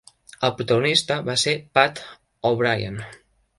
El protagonista va ser Pat O'Brien.